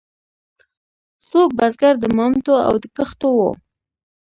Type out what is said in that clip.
څوک بزګر د مامتو او د کښتو وو.